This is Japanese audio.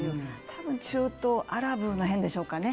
多分中東アラブら辺でしょうかね。